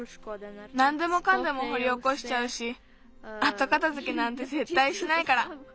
なんでもかんでもほりおこしちゃうしあとかたづけなんてぜったいしないから。